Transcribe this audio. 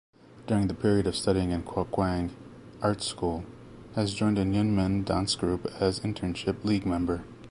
During the period of studying in Kuokwang Arts School, has joined in Yunmen Dance Group as internship league member.